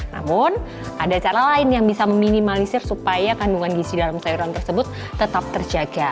namun ada cara lain yang bisa meminimalisir supaya kandungan gizi dalam sayuran tersebut tetap terjaga